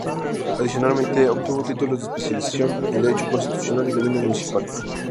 Adicionalmente, obtuvo títulos de Especialización en Derecho Constitucional y Gobierno Municipal.